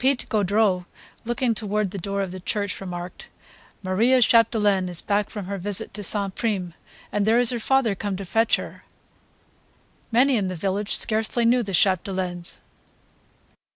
Pite Gaudreau, looking toward the door of the church, remarked: "Maria Chapdelaine is back from her visit to St. Prime, and there is her father come to fetch her." Many in the village scarcely knew the Chapdelaines.